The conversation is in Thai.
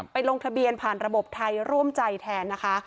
ลงทะเบียนผ่านระบบไทยร่วมใจแทนนะคะ